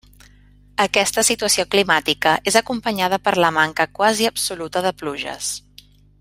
Aquesta situació climàtica és acompanyada per la manca quasi absoluta de pluges.